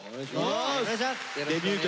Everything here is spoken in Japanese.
お願いします！